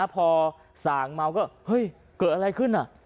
พอส่างเมาก็เฮ้ยเกิดอะไรขึ้น